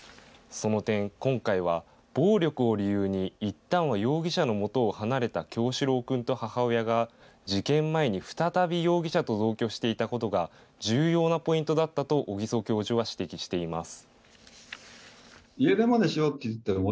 その点、今回は暴力を理由にいったんは容疑者のもとを離れた叶志郎君と母親が事件前に再び容疑者と同居していたことが重要なポイントだったと小木曽教授は指摘しています。